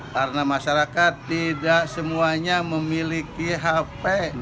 karena masyarakat tidak semuanya memiliki hp